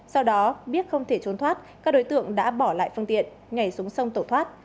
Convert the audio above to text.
sau đó biết không thể trốn thoát các đối tượng đã bỏ lại phương tiện nhảy xuống sông tổ thoát